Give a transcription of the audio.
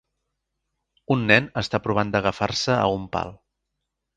Un nen està provant d'agafar-se a un pal.